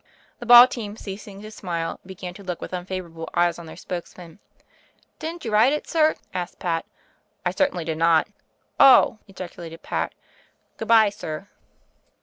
"The ball team, ceasing to smile, began to look with unfavoring eyes on their spokesman. " *Didn't you write it, sir?' asked Pat. " *I certainly did not.' " *0h,' ejaculated Pat. 'Good bye, sir.'